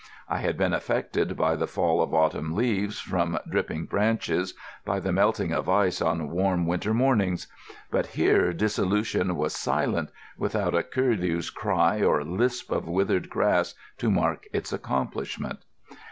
I had been affected by the fall of autumn leaves from dripping branches, by the melting of ice on warm winter mornings; but here dissolution was silent, without a curlew's cry or lisp of withered grass to mark its accomplishment.